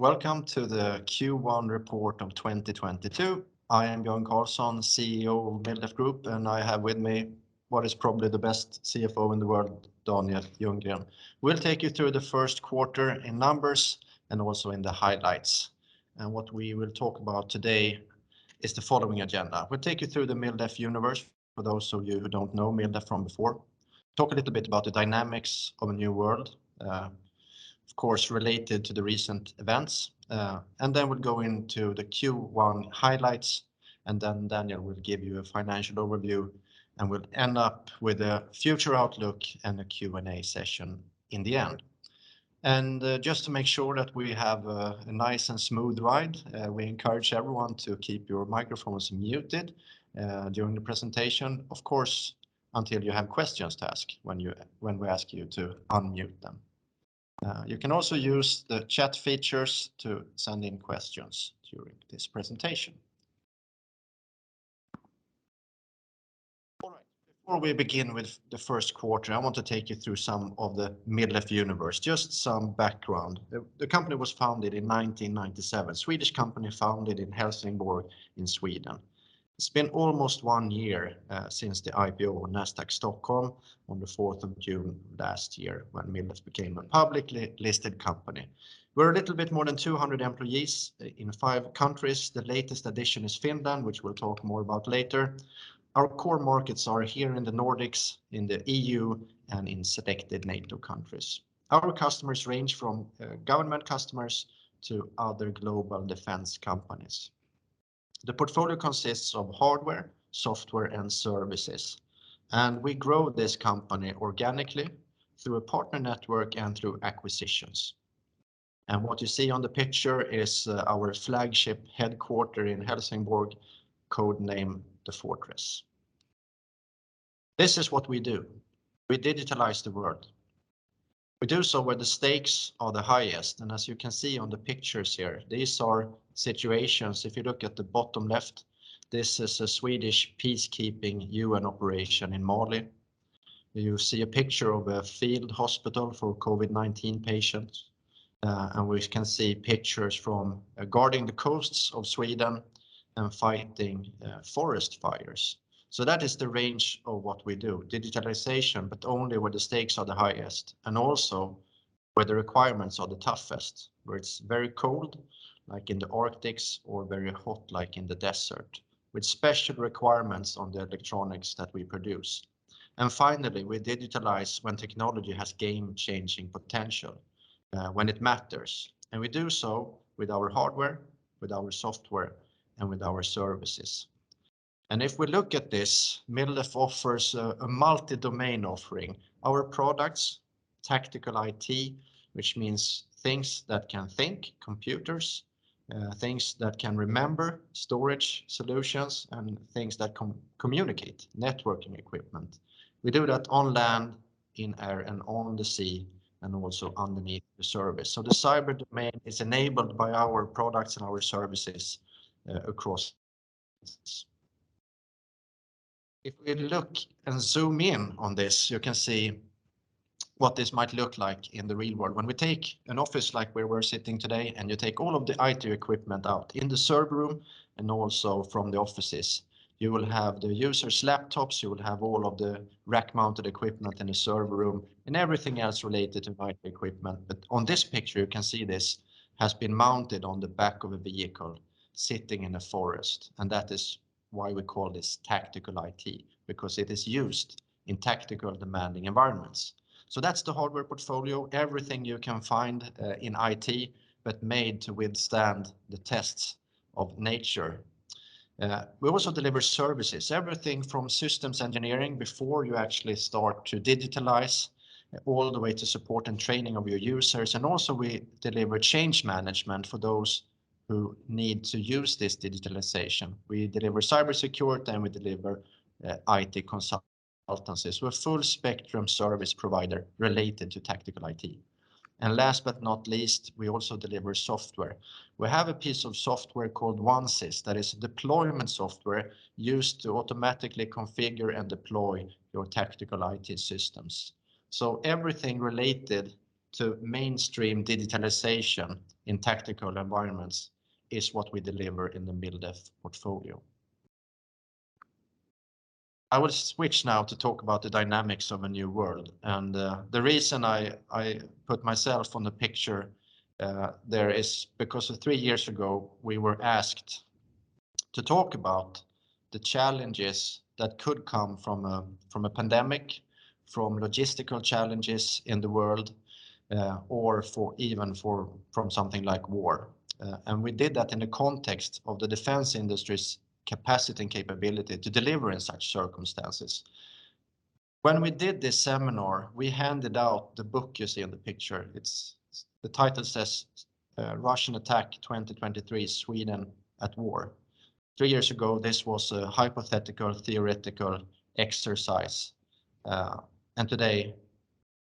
Welcome to the Q1 report of 2022. I am Björn Karlsson, CEO of MilDef Group, and I have with me what is probably the best CFO in the world, Daniel Ljunggren. We'll take you through the first quarter in numbers and also in the highlights. What we will talk about today is the following agenda. We'll take you through the MilDef universe for those of you who don't know MilDef from before, talk a little bit about the dynamics of a new world, of course, related to the recent events, and then we'll go into the Q1 highlights, and then Daniel will give you a financial overview, and we'll end up with a future outlook and a Q&A session in the end. Just to make sure that we have a nice and smooth ride, we encourage everyone to keep your microphones muted during the presentation, of course, until you have questions to ask when we ask you to unmute them. You can also use the chat features to send in questions during this presentation. All right. Before we begin with the first quarter, I want to take you through some of the MilDef universe, just some background. The company was founded in 1997, Swedish company founded in Helsingborg in Sweden. It's been almost one year since the IPO on Nasdaq Stockholm on the 4th of June last year when MilDef became a publicly listed company. We're a little bit more than 200 employees in five countries. The latest addition is Finland, which we'll talk more about later. Our core markets are here in the Nordics, in the EU, and in selected NATO countries. Our customers range from government customers to other global defense companies. The portfolio consists of hardware, software, and services, and we grow this company organically through a partner network and through acquisitions. What you see on the picture is our flagship headquarters in Helsingborg, code name the Fortress. This is what we do. We digitalize the world. We do so where the stakes are the highest. As you can see on the pictures here, these are situations. If you look at the bottom left, this is a Swedish peacekeeping UN operation in Mali. You see a picture of a field hospital for COVID-19 patients, and we can see pictures from guarding the coasts of Sweden and fighting forest fires. That is the range of what we do, digitalization, but only where the stakes are the highest and also where the requirements are the toughest, where it's very cold, like in the Arctic, or very hot, like in the desert, with special requirements on the electronics that we produce. Finally, we digitalize when technology has game-changing potential, when it matters. We do so with our hardware, with our software, and with our services. If we look at this, MilDef offers a multi-domain offering. Our products, tactical IT, which means things that can think, computers, things that can remember, storage solutions, and things that communicate, networking equipment. We do that on land, in air, and on the sea, and also underneath the surface. The cyber domain is enabled by our products and our services, across. If we look and zoom in on this, you can see what this might look like in the real world. When we take an office like where we're sitting today, and you take all of the IT equipment out in the server room and also from the offices, you will have the users' laptops, you will have all of the rack-mounted equipment in the server room, and everything else related to IT equipment. On this picture, you can see this has been mounted on the back of a vehicle sitting in a forest, and that is why we call this tactical IT, because it is used in tactical demanding environments. That's the hardware portfolio, everything you can find in IT, but made to withstand the tests of nature. We also deliver services, everything from systems engineering before you actually start to digitalize all the way to support and training of your users, and also we deliver change management for those who need to use this digitalization. We deliver cyber security, and we deliver IT consultancies. We're a full-spectrum service provider related to tactical IT. Last but not least, we also deliver software. We have a piece of software called OneCIS that is deployment software used to automatically configure and deploy your tactical IT systems. Everything related to mainstream digitalization in tactical environments is what we deliver in the MilDef portfolio. I will switch now to talk about the dynamics of a new world. The reason I put myself in the picture there is because three years ago, we were asked to talk about the challenges that could come from a pandemic, from logistical challenges in the world, or even from something like war. We did that in the context of the defense industry's capacity and capability to deliver in such circumstances. When we did this seminar, we handed out the book you see in the picture. The title says Russian Attack 2023: Sweden at War. Three years ago, this was a hypothetical theoretical exercise. Today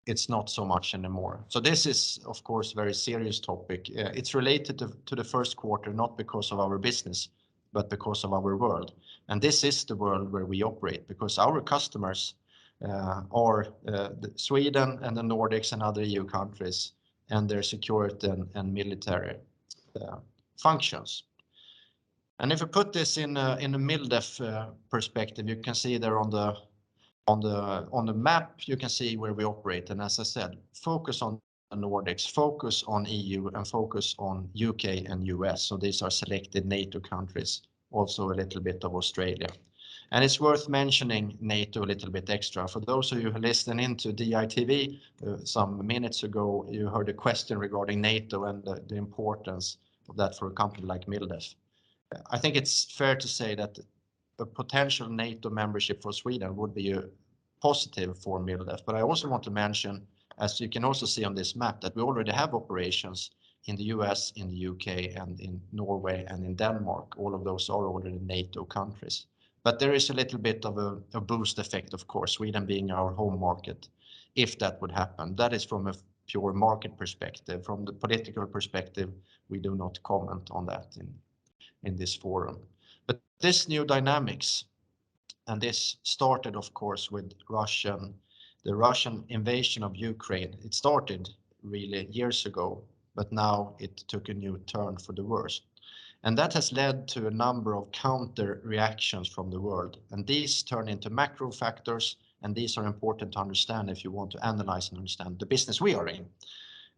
it's not so much anymore. This is of course a very serious topic. It's related to the first quarter, not because of our business, but because of our world. This is the world where we operate because our customers are the Sweden and the Nordics and other EU countries and their security and military functions. If you put this in a MilDef perspective, you can see there on the map, you can see where we operate. As I said, focus on the Nordics, focus on EU and focus on UK and US. These are selected NATO countries, also a little bit of Australia. It's worth mentioning NATO a little bit extra. For those of you who are listening in to DI TV some minutes ago, you heard a question regarding NATO and the importance of that for a company like MilDef. I think it's fair to say that a potential NATO membership for Sweden would be a positive for MilDef. I also want to mention, as you can also see on this map, that we already have operations in the U.S., in the U.K., and in Norway, and in Denmark. All of those are already NATO countries. There is a little bit of a boost effect, of course, Sweden being our home market, if that would happen. That is from a pure market perspective. From the political perspective, we do not comment on that in this forum. This new dynamics, and this started of course with the Russian invasion of Ukraine, it started really years ago, but now it took a new turn for the worse. That has led to a number of counter reactions from the world. These turn into macro factors, and these are important to understand if you want to analyze and understand the business we are in.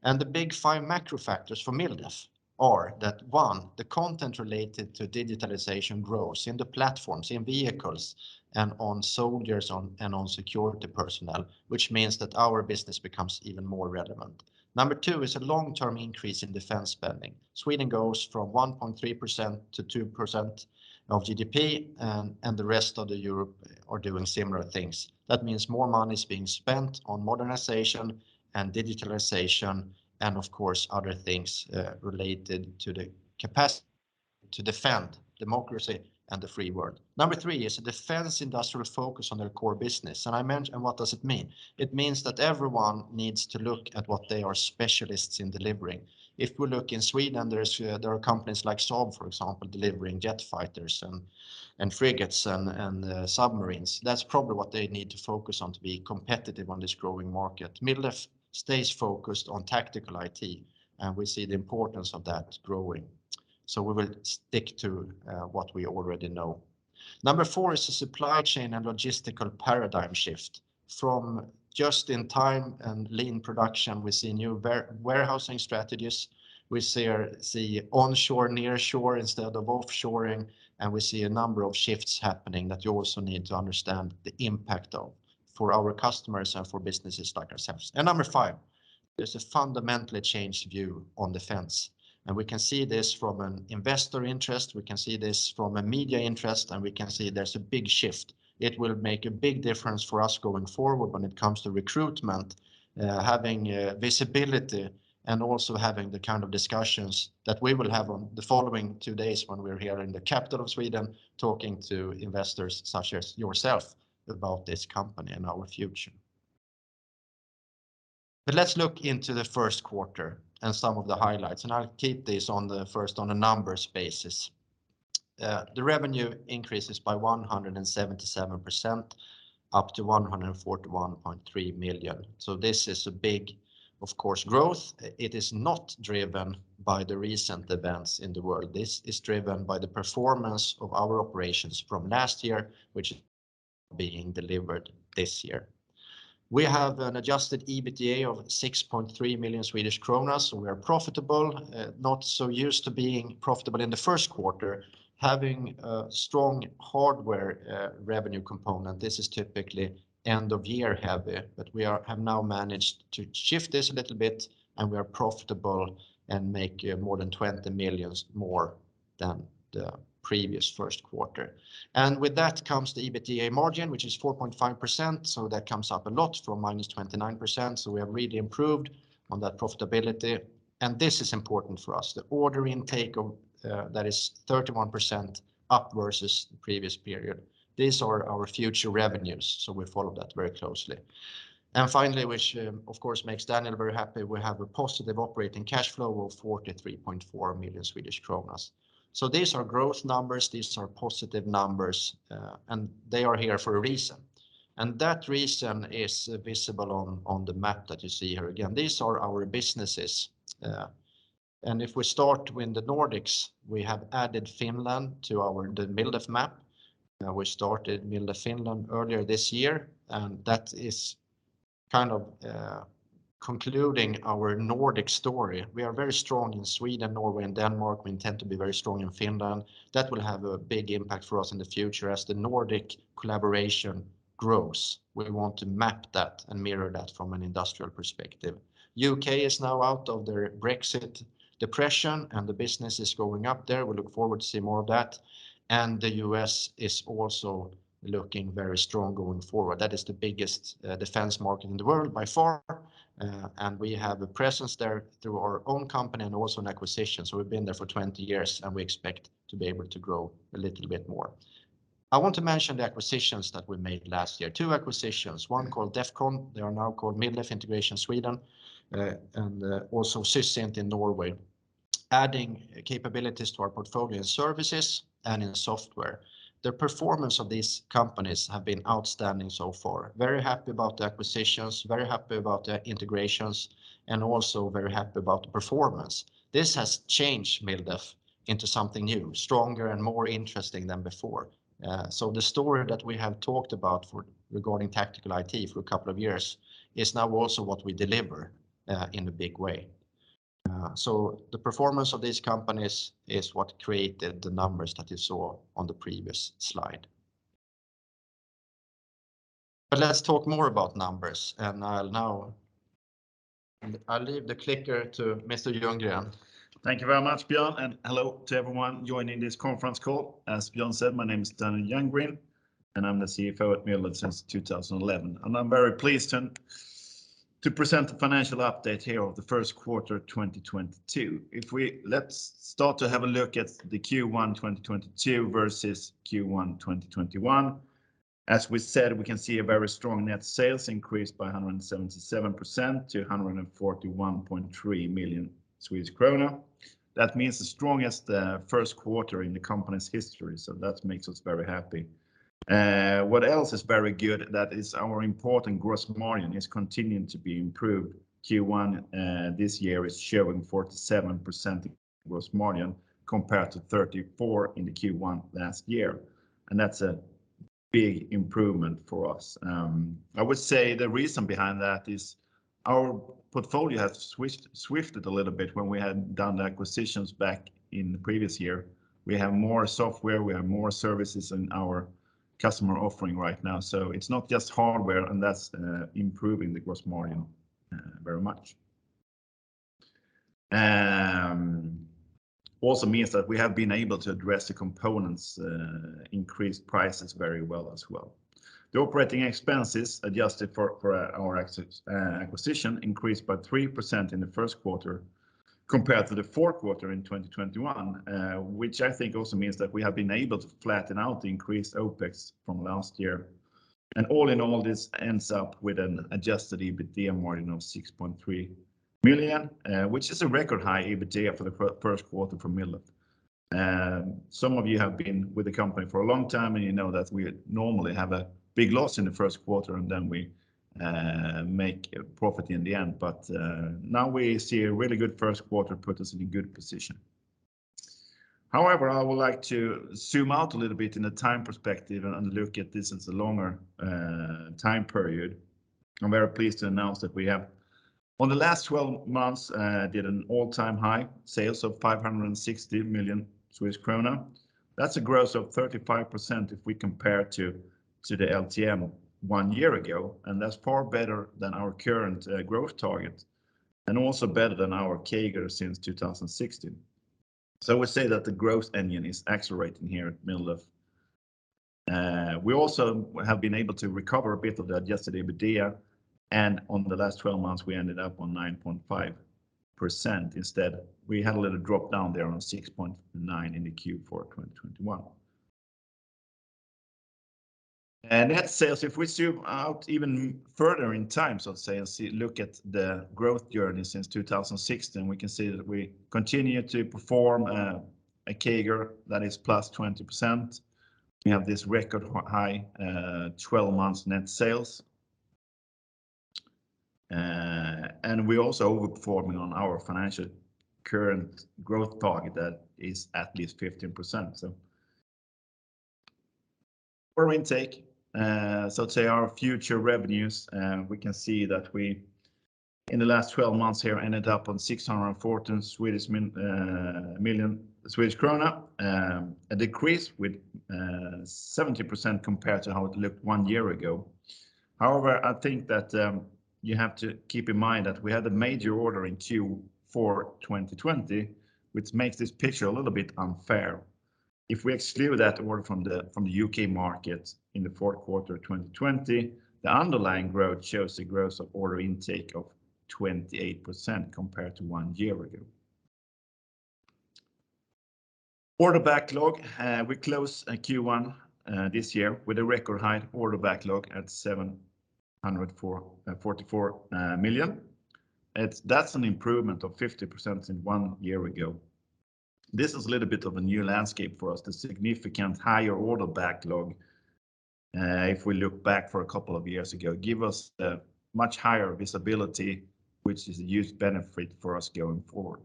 The big five macro factors for MilDef are that, one, the content related to digitalization grows in the platforms, in vehicles, and on soldiers and on security personnel, which means that our business becomes even more relevant. Number two is a long-term increase in defense spending. Sweden goes from 1.3% to 2% of GDP and the rest of Europe are doing similar things. That means more money is being spent on modernization and digitalization, and of course, other things related to the capacity to defend democracy and the free world. Number three is a defense industrial focus on their core business. I mention, what does it mean? It means that everyone needs to look at what they are specialists in delivering. If we look in Sweden, there are companies like Saab, for example, delivering jet fighters and frigates and submarines. That's probably what they need to focus on to be competitive on this growing market. MilDef stays focused on tactical IT, and we see the importance of that growing. So we will stick to what we already know. Number four is the supply chain and logistical paradigm shift. From just in time and lean production, we see new warehousing strategies. We see onshoring, nearshoring instead of offshoring, and we see a number of shifts happening that you also need to understand the impact of for our customers and for businesses like ourselves. Number five, there's a fundamentally changed view on defense. We can see this from an investor interest. We can see this from a media interest, and we can see there's a big shift. It will make a big difference for us going forward when it comes to recruitment, having visibility and also having the kind of discussions that we will have on the following two days when we're here in the capital of Sweden talking to investors such as yourself about this company and our future. Let's look into the first quarter and some of the highlights, and I'll keep this on a numbers basis. The revenue increases by 177% up to 141.3 million. This is a big, of course, growth. It is not driven by the recent events in the world. This is driven by the performance of our operations from last year, which is being delivered this year. We have an adjusted EBITDA of 6.3 million Swedish kronor, so we are profitable, not so used to being profitable in the first quarter, having a strong hardware revenue component. This is typically end of year heavy, but we have now managed to shift this a little bit and we are profitable and make more than 20 million more than the previous first quarter. With that comes the EBITDA margin, which is 4.5%, so that comes up a lot from -29%, so we have really improved on that profitability. This is important for us, the order intake of that is 31% up versus the previous period. These are our future revenues, so we follow that very closely. Finally, which, of course, makes Daniel very happy, we have a positive operating cash flow of 43.4 million Swedish kronor. These are growth numbers, these are positive numbers, and they are here for a reason. That reason is visible on the map that you see here. Again, these are our businesses. If we start with the Nordics, we have added Finland to our, the MilDef map. We started MilDef Finland earlier this year, and that is kind of concluding our Nordic story. We are very strong in Sweden, Norway, and Denmark. We intend to be very strong in Finland. That will have a big impact for us in the future as the Nordic collaboration grows. We want to map that and mirror that from an industrial perspective. The U.K. is now out of their Brexit depression, and the business is going up there. We look forward to see more of that. The U.S. is also looking very strong going forward. That is the biggest defense market in the world by far. We have a presence there through our own company and also an acquisition. We've been there for 20 years, and we expect to be able to grow a little bit more. I want to mention the acquisitions that we made last year. Two acquisitions, one called Defcon. They are now called MilDef Integration Sweden, and also Sysint in Norway, adding capabilities to our portfolio services and in software. The performance of these companies have been outstanding so far. Very happy about the acquisitions, very happy about the integrations, and also very happy about the performance. This has changed MilDef into something new, stronger and more interesting than before. The story that we have talked about regarding tactical IT for a couple of years is now also what we deliver in a big way. The performance of these companies is what created the numbers that you saw on the previous slide. Let's talk more about numbers and I'll leave the clicker to Mr. Ljunggren. Thank you very much, Björn, and hello to everyone joining this conference call. As Björn said, my name is Daniel Ljunggren, and I'm the CFO at MilDef since 2011. I'm very pleased to present the financial update here of the first quarter of 2022. Let's start to have a look at the Q1 2022 versus Q1 2021. As we said, we can see a very strong net sales increase by 177% to 141.3 million Swedish krona. That means the strongest first quarter in the company's history, so that makes us very happy. What else is very good, that is our important gross margin is continuing to be improved. Q1 this year is showing 47% gross margin compared to 34% in the Q1 last year, and that's a big improvement for us. I would say the reason behind that is our portfolio has shifted a little bit when we had done the acquisitions back in the previous year. We have more software, we have more services in our customer offering right now. It's not just hardware, and that's improving the gross margin very much. It also means that we have been able to address the components' increased prices very well as well. The operating expenses adjusted for our acquisition increased by 3% in the first quarter compared to the fourth quarter in 2021, which I think also means that we have been able to flatten out the increased OPEX from last year. All in all, this ends up with an adjusted EBITDA of 6.3 million, which is a record high EBITDA for the first quarter for MilDef. Some of you have been with the company for a long time, and you know that we normally have a big loss in the first quarter, and then we make a profit in the end. Now we see a really good first quarter put us in a good position. However, I would like to zoom out a little bit in a time perspective and look at this as a longer time period. I'm very pleased to announce that we have on the last twelve months hit an all-time high sales of 560 million krona. That's a growth of 35% if we compare to the LTM one year ago, and that's far better than our current growth target, and also better than our CAGR since 2016. I would say that the growth engine is accelerating here at MilDef. We also have been able to recover a bit of the adjusted EBITDA, and on the last twelve months, we ended up on 9.5%. Instead, we had a little drop down there on 6.9% in the Q4 2021. Net sales, if we zoom out even further in time, so to say, and look at the growth journey since 2016, we can see that we continue to perform a CAGR that is +20%. We have this record high twelve months net sales. We're also overperforming on our financial current growth target that is at least 15%, so. Order intake, so say our future revenues, we can see that we in the last twelve months here ended up on 614 million Swedish krona, a decrease with 70% compared to how it looked one year ago. However, I think that you have to keep in mind that we had a major order in Q4 2020, which makes this picture a little bit unfair. If we exclude that order from the UK market in the fourth quarter 2020, the underlying growth shows the growth of order intake of 28% compared to one year ago. Order backlog, we closed Q1 this year with a record high order backlog at 744 million. That's an improvement of 50% from one year ago. This is a little bit of a new landscape for us. The significantly higher order backlog, if we look back a couple of years ago, gives us a much higher visibility, which is a huge benefit for us going forward.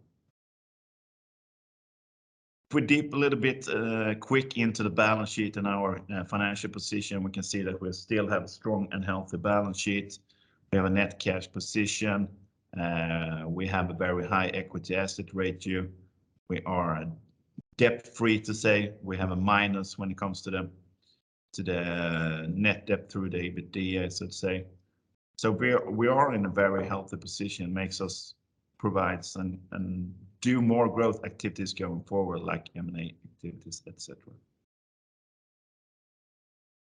If we dip a little bit quickly into the balance sheet and our financial position, we can see that we still have a strong and healthy balance sheet. We have a net cash position. We have a very high equity asset ratio. We are debt-free to say. We have a minus when it comes to the net debt to the EBITDA, so to say. We are in a very healthy position, makes us provide some and do more growth activities going forward, like M&A activities, et cetera.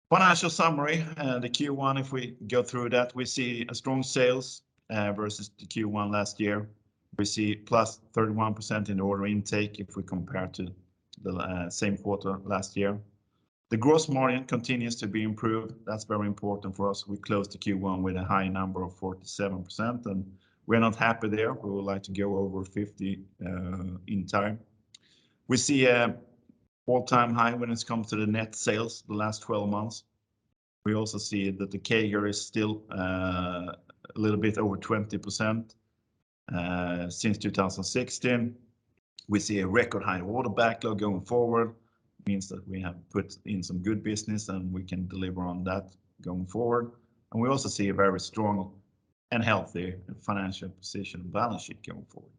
Financial summary, the Q1, if we go through that, we see strong sales versus the Q1 last year. We see +31% in order intake if we compare to the same quarter last year. The gross margin continues to be improved. That's very important for us. We closed the Q1 with a high number of 47%, and we're not happy there. We would like to go over 50% in time. We see an all-time high when it comes to the net sales the last twelve months. We also see that the CAGR is still a little bit over 20% since 2016. We see a record high order backlog going forward, means that we have put in some good business, and we can deliver on that going forward. We also see a very strong and healthy financial position and balance sheet going forward.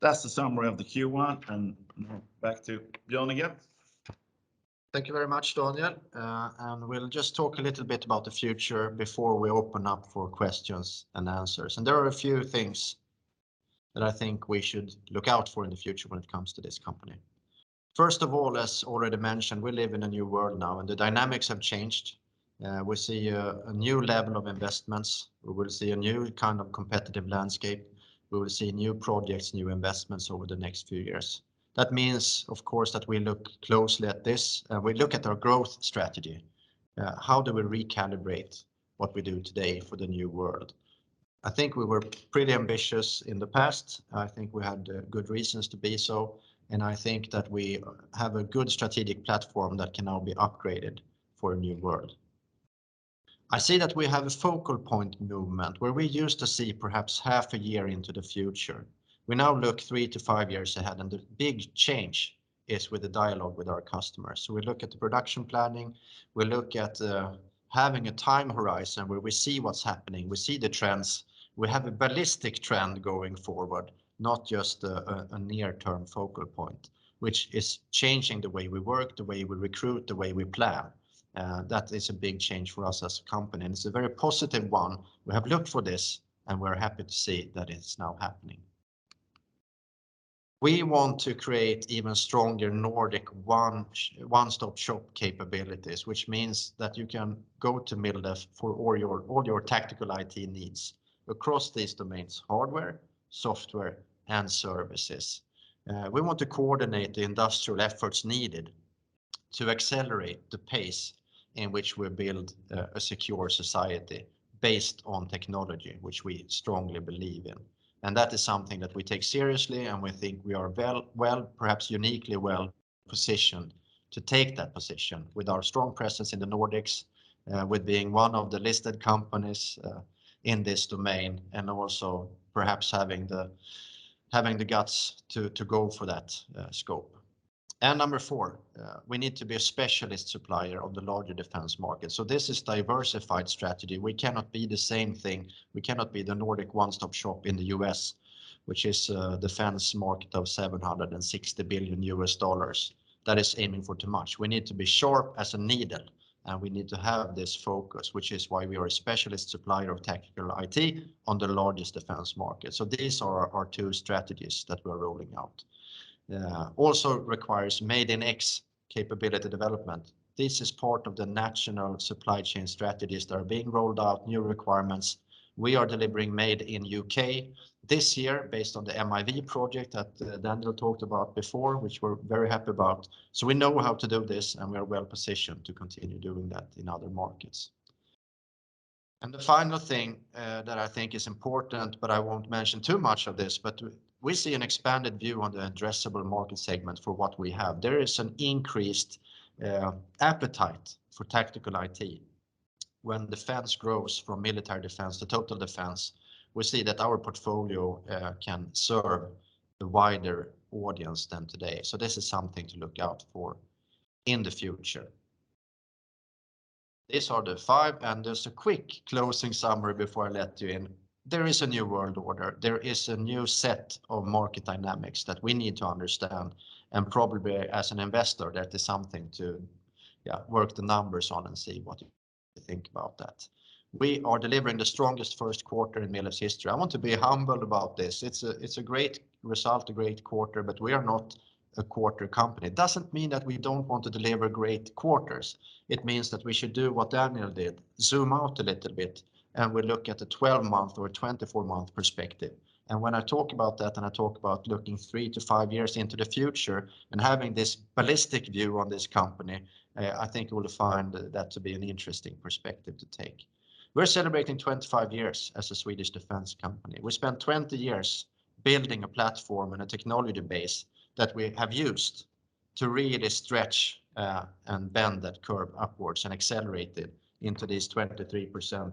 That's the summary of the Q1, and now back to Björn again. Thank you very much, Daniel. We'll just talk a little bit about the future before we open up for questions and answers. There are a few things that I think we should look out for in the future when it comes to this company. First of all, as already mentioned, we live in a new world now, and the dynamics have changed. We see a new level of investments. We will see a new kind of competitive landscape. We will see new projects, new investments over the next few years. That means, of course, that we look closely at this. We look at our growth strategy. How do we recalibrate what we do today for the new world? I think we were pretty ambitious in the past. I think we had good reasons to be so, and I think that we have a good strategic platform that can now be upgraded for a new world. I see that we have a focal point movement where we used to see perhaps half a year into the future. We now look 3-5 years ahead, and the big change is with the dialogue with our customers. We look at the production planning. We look at having a time horizon where we see what's happening. We see the trends. We have a ballistic trend going forward, not just a near-term focal point, which is changing the way we work, the way we recruit, the way we plan. That is a big change for us as a company, and it's a very positive one. We have looked for this, and we're happy to see that it's now happening. We want to create even stronger Nordic one-stop shop capabilities, which means that you can go to MilDeft for all your tactical IT needs across these domains, hardware, software, and services. We want to coordinate the industrial efforts needed to accelerate the pace in which we build a secure society based on technology, which we strongly believe in. That is something that we take seriously, and we think we are well, perhaps uniquely well-positioned to take that position with our strong presence in the Nordics, with being one of the listed companies, in this domain and also perhaps having the guts to go for that scope. Number four, we need to be a specialist supplier of the larger defense market. This is diversified strategy. We cannot be the same thing. We cannot be the Nordic one-stop shop in the US, which is a defense market of $760 billion. That is aiming for too much. We need to be sharp as a needle, and we need to have this focus, which is why we are a specialist supplier of tactical IT on the largest defense market. These are our two strategies that we're rolling out. Also requires Made in X capability development. This is part of the national supply chain strategies that are being rolled out, new requirements. We are delivering Made in UK this year based on the MIV project that Daniel talked about before, which we're very happy about. We know how to do this, and we are well-positioned to continue doing that in other markets. The final thing that I think is important, but I won't mention too much of this, but we see an expanded view on the addressable market segment for what we have. There is an increased appetite for tactical IT. When defense grows from military defense to total defense, we see that our portfolio can serve a wider audience than today. This is something to look out for in the future. These are the five, and just a quick closing summary before I let you in. There is a new world order. There is a new set of market dynamics that we need to understand, and probably as an investor, that is something to, yeah, work the numbers on and see what you think about that. We are delivering the strongest first quarter in Middle East history. I want to be humble about this. It's a great result, a great quarter, but we are not a quarter company. It doesn't mean that we don't want to deliver great quarters. It means that we should do what Daniel did, zoom out a little bit, and we look at the 12-month or 24-month perspective. When I talk about that, and I talk about looking 3-5 years into the future and having this ballistic view on this company, I think you will find that to be an interesting perspective to take. We're celebrating 25 years as a Swedish defense company. We spent 20 years building a platform and a technology base that we have used to really stretch and bend that curve upwards and accelerate it into this 23%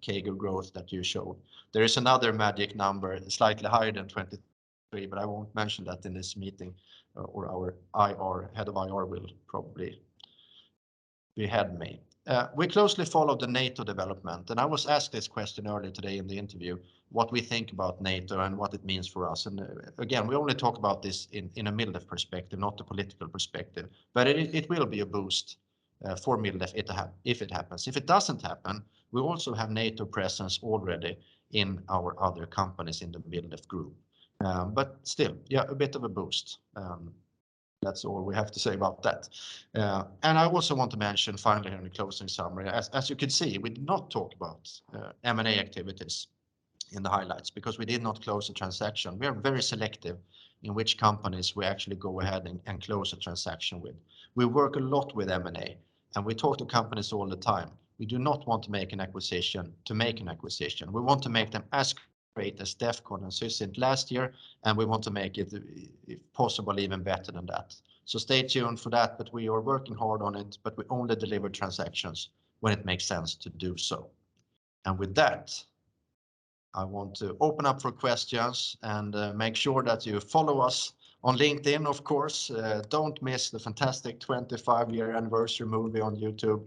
CAGR growth that you showed. There is another magic number, slightly higher than 23, but I won't mention that in this meeting, or our IR head of IR will probably be ahead of me. We closely follow the NATO development, and I was asked this question earlier today in the interview, what we think about NATO and what it means for us. We only talk about this in a Middle East perspective, not a political perspective. It will be a boost for Middle East if it happens. If it doesn't happen, we also have NATO presence already in our other companies in the Middle East group. That's all we have to say about that. I also want to mention finally in the closing summary, as you can see, we do not talk about M&A activities in the highlights because we did not close the transaction. We are very selective in which companies we actually go ahead and close a transaction with. We work a lot with M&A, and we talk to companies all the time. We do not want to make an acquisition to make an acquisition. We want to make them as great as Defcon and Sysint last year, and we want to make it, if possible, even better than that. Stay tuned for that, but we are working hard on it, but we only deliver transactions when it makes sense to do so. With that, I want to open up for questions and make sure that you follow us on LinkedIn, of course. Don't miss the fantastic 25-year anniversary movie on YouTube.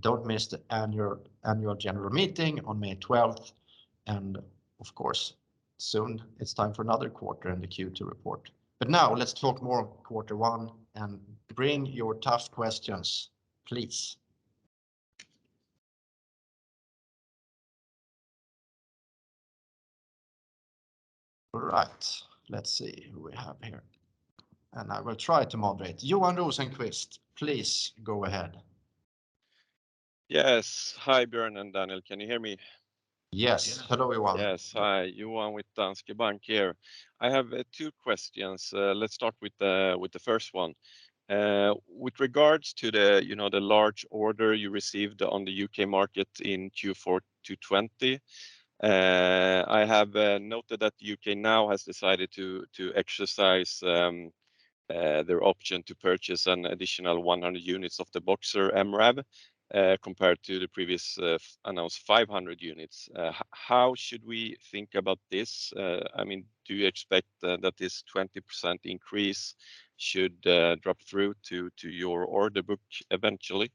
Don't miss the annual general meeting on May 12th, and of course, soon it's time for another quarter and the Q2 report. Now let's talk more quarter one and bring your tough questions, please. All right. Let's see who we have here. I will try to moderate. Johan Rosenqvist, please go ahead. Yes. Hi, Björn and Daniel. Can you hear me? Yes. Yes. Hello, Johan. Yes. Hi. Johan Rosenqvist with Danske Bank here. I have two questions. Let's start with the first one. With regards to you know the large order you received on the UK market in Q4 2020, I have noted that UK now has decided to exercise their option to purchase an additional 100 units of the Boxer MIV compared to the previously announced 500 units. How should we think about this? I mean, do you expect that this 20% increase should drop through to your order book eventually?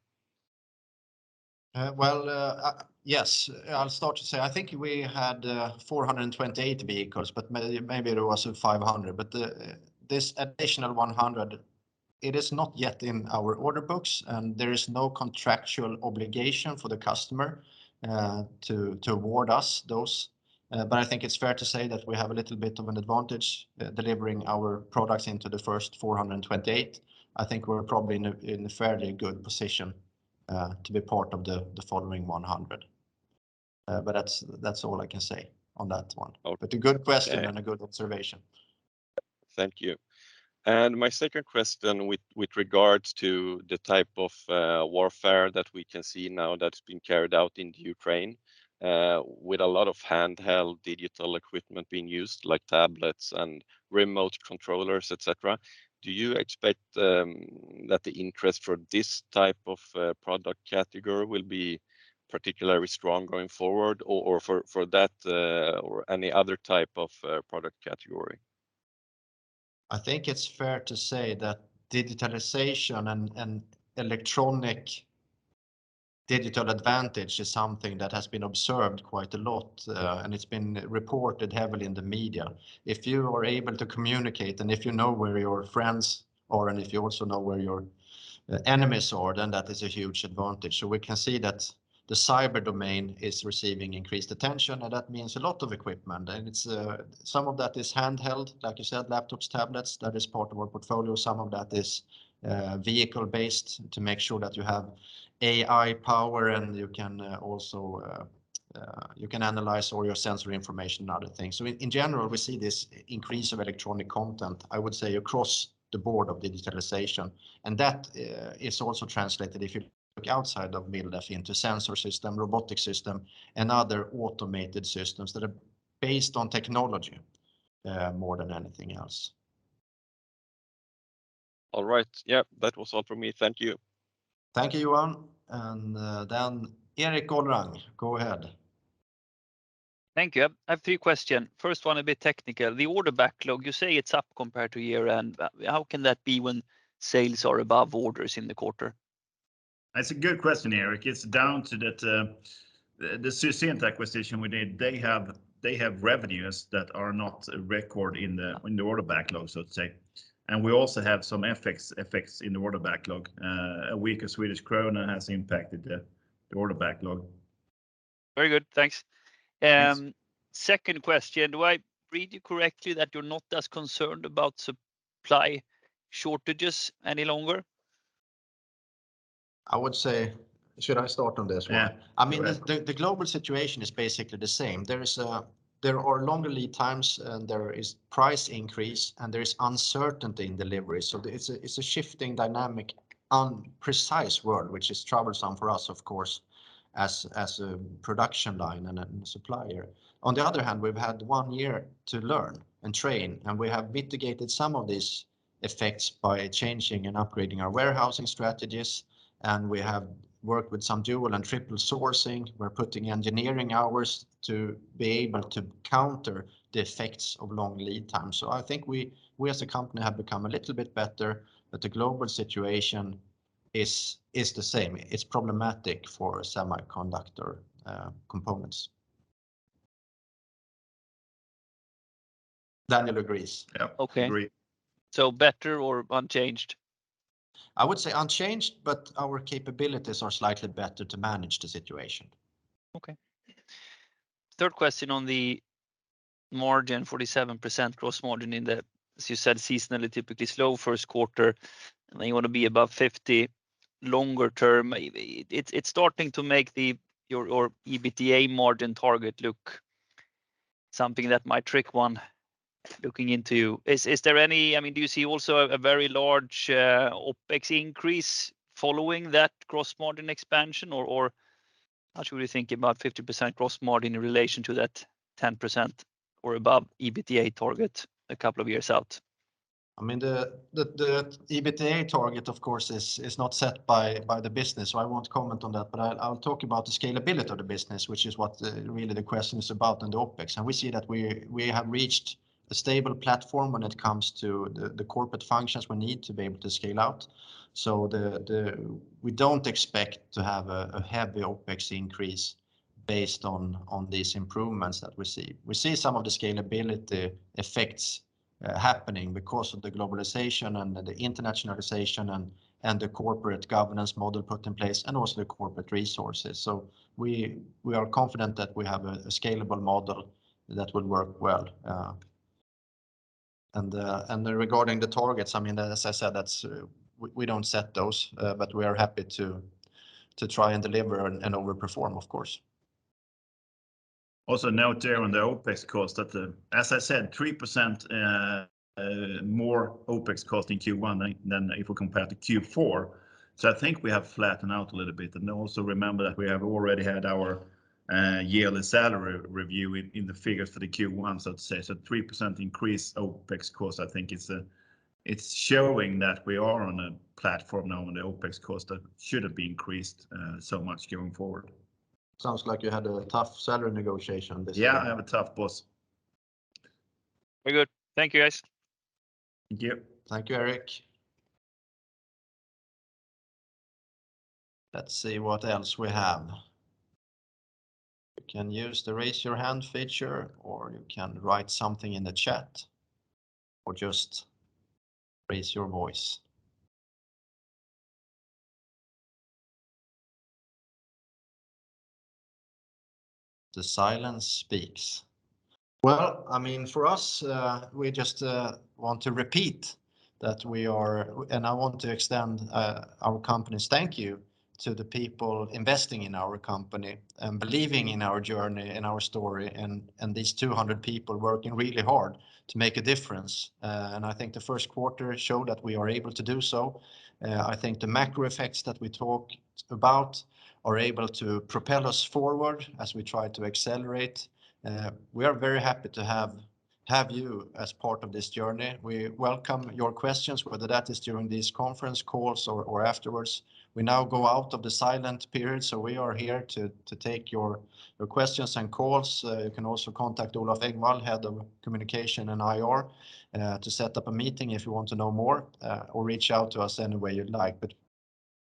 Yes. I'll start to say I think we had 428 vehicles, but maybe there was 500. This additional 100, it is not yet in our order books, and there is no contractual obligation for the customer to award us those. I think it's fair to say that we have a little bit of an advantage delivering our products into the first 428. I think we're probably in a fairly good position to be part of the following 100. That's all I can say on that one. Okay. A good question and a good observation. Thank you. My second question with regards to the type of warfare that we can see now that's been carried out in Ukraine, with a lot of handheld digital equipment being used, like tablets and remote controllers, et cetera, do you expect that the interest for this type of product category will be particularly strong going forward or for that or any other type of product category? I think it's fair to say that digitalization and electronic digital advantage is something that has been observed quite a lot, and it's been reported heavily in the media. If you are able to communicate and if you know where your friends are and if you also know where your enemies are, then that is a huge advantage. We can see that the cyber domain is receiving increased attention, and that means a lot of equipment. It's some of that is handheld, like you said, laptops, tablets, that is part of our portfolio. Some of that is vehicle-based to make sure that you have AI power and you can also analyze all your sensory information and other things. In general, we see this increase of electronic content, I would say, across the board of digitalization. That is also translated, if you look outside of MilDef into sensor system, robotic system, and other automated systems that are based on technology, more than anything else. All right. Yeah. That was all for me. Thank you. Thank you, Johan. Erik Golrang, go ahead. Thank you. I have three question. First one, a bit technical. The order backlog, you say it's up compared to year-end. How can that be when sales are above orders in the quarter? That's a good question, Erik. It's down to that the Susient acquisition we did. They have revenues that are not recorded in the order backlog, so to say. We also have some effects in the order backlog. A weaker Swedish krona has impacted the order backlog. Very good. Thanks. Yes. Second question, do I read you correctly that you're not as concerned about supply shortages any longer? I would say. Should I start on this one? Yeah. Go ahead. I mean, the global situation is basically the same. There are longer lead times, and there is price increase, and there is uncertainty in delivery. It's a shifting dynamic, imprecise world, which is troublesome for us, of course, as a production line and a supplier. On the other hand, we've had one year to learn and train, and we have mitigated some of these effects by changing and upgrading our warehousing strategies, and we have worked with some dual and triple sourcing. We're putting engineering hours to be able to counter the effects of long lead time. I think we as a company have become a little bit better, but the global situation is the same. It's problematic for semiconductor components. Daniel agrees. Okay. Yeah. Agree. Better or unchanged? I would say unchanged, but our capabilities are slightly better to manage the situation. Okay. Third question on the margin, 47% gross margin in the, as you said, seasonally typically slow first quarter, and then you wanna be above 50% longer term. It's starting to make your EBITDA margin target look something that might trick one looking into. Is there any? I mean, do you see also a very large OPEX increase following that gross margin expansion or how should we think about 50% gross margin in relation to that 10% or above EBITDA target a couple of years out? I mean, the EBITDA target of course is not set by the business, so I won't comment on that, but I'll talk about the scalability of the business, which is what, really, the question is about in the OPEX. We see that we have reached a stable platform when it comes to the corporate functions we need to be able to scale out. We don't expect to have a heavy OPEX increase based on these improvements that we see. We see some of the scalability effects happening because of the globalization and the internationalization and the corporate governance model put in place and also the corporate resources. We are confident that we have a scalable model that will work well. Regarding the targets, I mean, as I said, that's. We don't set those, but we are happy to try and deliver and overperform, of course. Also note there on the OPEX cost that, as I said, 3% more OPEX cost in Q1 than if we compare to Q4. I think we have flattened out a little bit. Also remember that we have already had our yearly salary review in the figures for the Q1, so to say. 3% increase OPEX cost, I think it's showing that we are on a platform now on the OPEX cost that shouldn't be increased so much going forward. Sounds like you had a tough salary negotiation this time. Yeah, I have a tough boss. Very good. Thank you, guys. Thank you. Thank you, Erik. Let's see what else we have. You can use the raise your hand feature, or you can write something in the chat, or just raise your voice. The silence speaks. Well, I mean, for us, we just want to repeat that, and I want to extend our company's thank you to the people investing in our company and believing in our journey and our story and these 200 people working really hard to make a difference. I think the first quarter showed that we are able to do so. I think the macro effects that we talked about are able to propel us forward as we try to accelerate. We are very happy to have you as part of this journey. We welcome your questions, whether that is during these conference calls or afterwards. We now go out of the silent period, so we are here to take your questions and calls. You can also contact Olof Engvall, Head of IR & Communications, to set up a meeting if you want to know more, or reach out to us any way you'd like.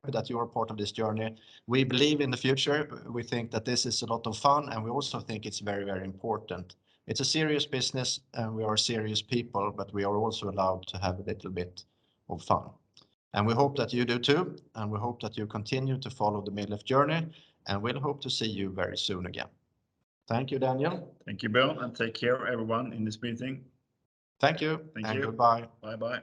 That you are part of this journey, we believe in the future. We think that this is a lot of fun, and we also think it's very, very important. It's a serious business, and we are serious people, but we are also allowed to have a little bit of fun. We hope that you do, too, and we hope that you continue to follow the MilDef journey, and we'll hope to see you very soon again. Thank you, Daniel. Thank you, Björn, and take care, everyone, in this meeting. Thank you. Thank you. Goodbye. Bye-bye.